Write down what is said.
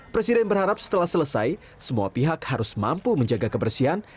presiden berharap setelah selesai semua pihak harus mampu menjaga kebersihan